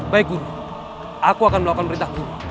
baik guru aku akan melakukan perintah guru